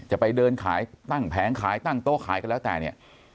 จะไปเดินขายตั้งแผงขายตั้งโต๊ะขายก็แล้วแต่เนี่ย